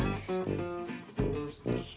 よいしょ。